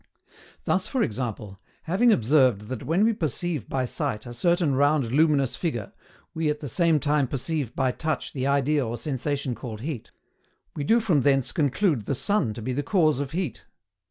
Thus, for example, having observed that when we perceive by sight a certain round luminous figure we at the same time perceive by touch the idea or sensation called HEAT, we do from thence conclude the sun to be the cause of heat.